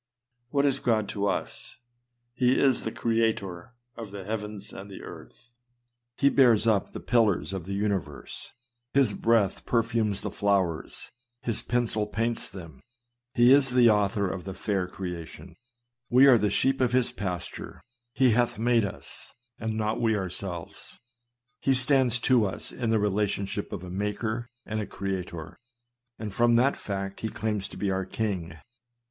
What is God to us ? H© is the Creator of the heavens and the earth ; he bears up the pillars of the universe ; his breath perfumes the flowers ; his pencil paints them ; he is the author of this fair creation ;" w T e are the sheep of his pasture ; he hath made us, and not we ourselves." He stands to us in the relationship of a Maker and Creator; and from that fact he claims to be our King.